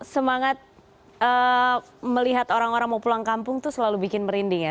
semangat melihat orang orang mau pulang kampung itu selalu bikin merinding ya